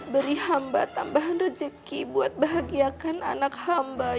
beri hamba tambahan rezeki buat bahagiakan anak hamba